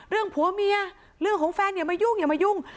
ผัวเมียเรื่องของแฟนอย่ามายุ่งอย่ามายุ่ง